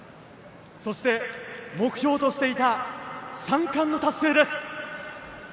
そして目標としていた３冠の達成です。